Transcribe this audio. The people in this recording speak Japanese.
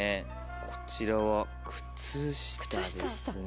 こちらは靴下ですね。